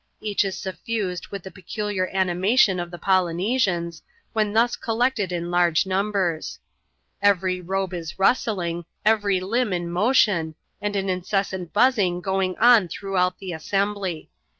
Each is suffused with the pecular animation of the Polynesians, when thus collected in large numbers. Every robe is rustling, every limb in motion, and an incessant buzzing going on throughout the assembly.